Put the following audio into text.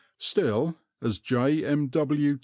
Still, as J. M. W.